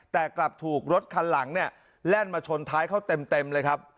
แต่กลับถูกรถคันหลังเนี่ยแล่นมาชนท้ายเขาเต็มเลยครับ